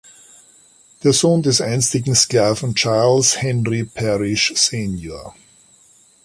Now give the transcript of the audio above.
Der Sohn des einstigen Sklaven Charles Henry Parrish Sr.